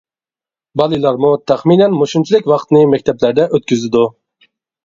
بالىلارمۇ تەخمىنەن مۇشۇنچىلىك ۋاقىتنى مەكتەپلەردە ئۆتكۈزىدۇ.